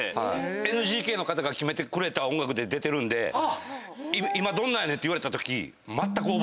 ＮＧＫの方が決めてくれた音楽で出てるんで今「どんなんやねん？」って言われたとき。